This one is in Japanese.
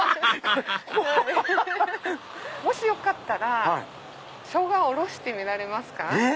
もしよかったらショウガおろしてみますか？